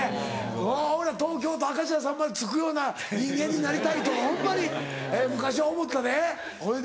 おいら「東京都明石家さんま」で着くような人間になりたいとホンマに昔思ったでほいで？